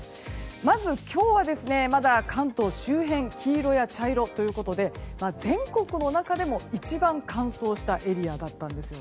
まず今日、まだ関東周辺は黄色や茶色ということで全国の中でも一番乾燥したエリアだったんです。